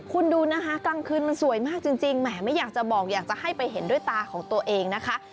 คุณดูนะคะกลางคืนมันสวยมากจริงแหมไม่อยากจะบอกอยากจะให้ไปเห็นด้วยตาของตัวเองนะคะ